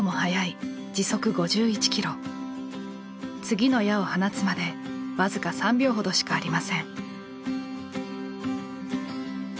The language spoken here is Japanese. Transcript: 次の矢を放つまで僅か３秒ほどしかありません。